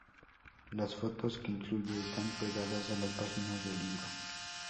Las fotos que incluye están pegadas a las páginas del libro.